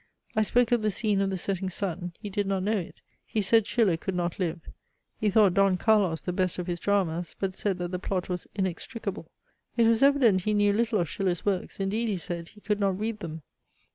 I spoke of the scene of the setting sun. He did not know it. He said Schiller could not live. He thought DON CARLOS the best of his dramas; but said that the plot was inextricable. It was evident he knew little of Schiller's works: indeed, he said, he could not read them.